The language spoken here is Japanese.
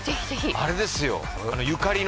あれですよ。